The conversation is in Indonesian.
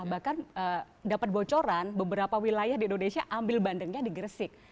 bahkan dapat bocoran beberapa wilayah di indonesia ambil bandengnya di gresik